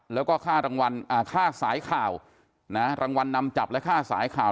แล้วก็ค่ารางวัลค่าสายข่าวนะรางวัลนำจับและค่าสายข่าว